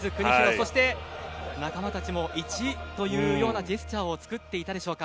そして、仲間たちも１というようなジェスチャーを作っていたでしょうか。